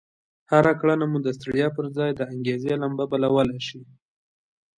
هره کړنه مو د ستړيا پر ځای د انګېزې لمبه بلولای شي.